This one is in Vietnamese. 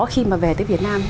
khi mà về tới việt nam